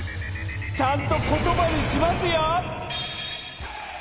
ちゃんとことばにしますよ。